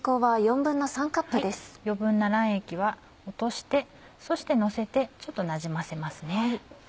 余分な卵液は落としてそしてのせてちょっとなじませますね。